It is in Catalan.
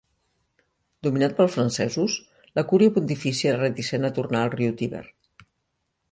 Dominat pels francesos, la Cúria Pontifícia era reticent a tornar al Riu Tíber.